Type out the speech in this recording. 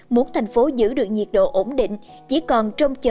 muốn thành phố giữ được nhiệt độ ổn định